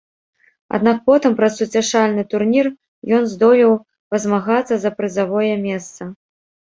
Аднак потым праз суцяшальны турнір ён здолеў пазмагацца за прызавое месца.